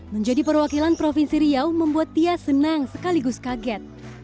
menjadi perwakilan provinsi riau membuat tia senang sekaligus kaget